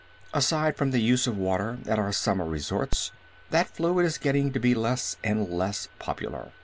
Aside from the use of water at our summer resorts, that fluid is getting to be less and less popular.